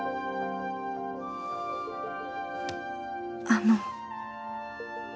あの。